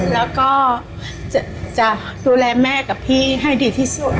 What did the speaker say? แล้วก็จะดูแลแม่กับพี่ให้ดีที่สุด